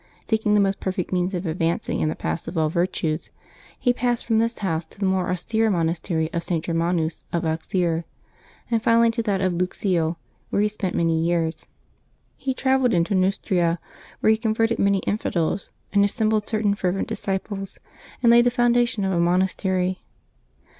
.Seeking the most perfect means of advancing in the paths of all virtues, he passed from this house to the more austere monastery of St. Grcrmanus of Auxerre, and finally to that of Luxeuil, where he spent many years. He travelled into Neustria, where he converted many infidels, and assembled certain fervent disciples, and laid the foundation of a monastery.